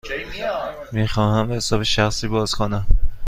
می خواهم حساب شخصی باز کنم.